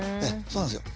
そうなんですよ。